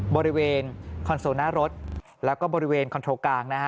บริเวณคอนโซลหน้ารถแล้วก็บริเวณคอนโทรกลางนะฮะ